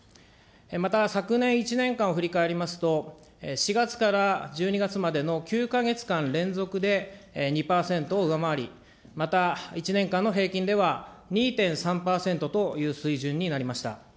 また、昨年１年間を振り返りますと、４月から１２月までの９か月間連続で２％を上回り、また１年間の平均では２．３％という水準になりました。